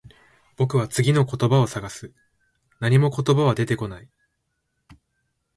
僕は次の言葉を探す。何も言葉は出てこない。